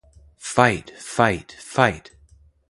Fight, fight, fight!